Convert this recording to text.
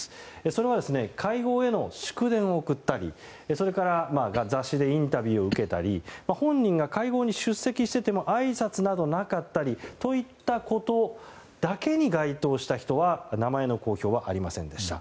それは、会合への祝電を送ったりそれから雑誌でインタビューを受けたり本人が会合に出席していてもあいさつなどがなかったりといったことだけに該当した人は名前の公表はありませんでした。